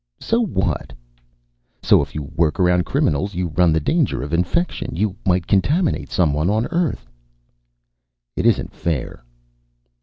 "So what?" "So if you work around criminals, you run the danger of infection. You might contaminate someone on Earth." "It isn't fair...."